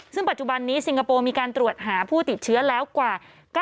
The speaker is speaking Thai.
ซึ่งปัจจุบันนี้ซิงคโปร์มีการตรวจหาผู้ติดเชื้อแล้วกว่า